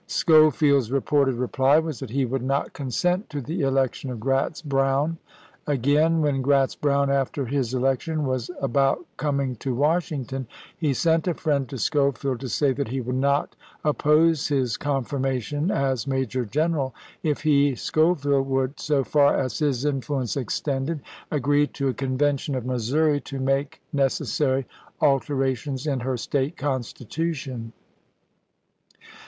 Schofield's reported reply was that he would not consent to the election of Gratz Brown. Again, when Gratz Brown, after his election, was about coming to Washington, he sent a friend to Schofield to say that he would not oppose his confirmation as major general, if he, Schofield, would, so far as his infiuence extended, agree to a Convention of Missouri to make neces sary alterations in her State constitution.